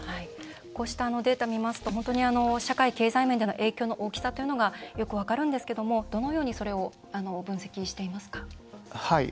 こうしたデータ見ますと本当に社会経済面での影響の大きさというのがよく分かるんですけれどもどのようにそれを分析していますか。